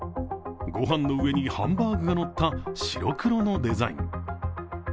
御飯の上にハンバーグがのった、白黒のデザイン。